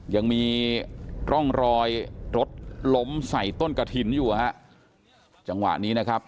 ยังมีร่องรอยรถล้มใส่ต้นกระถิ่นอยู่ฮะจังหวะนี้นะครับ